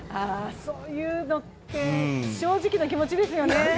そういうのって、正直な気持ちですよね。